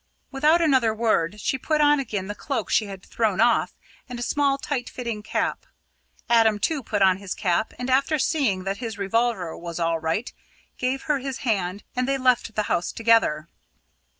Without another word, she put on again the cloak she had thrown off, and a small, tight fitting cap. Adam too put on his cap, and, after seeing that his revolver was all right, gave her his hand, and they left the house together.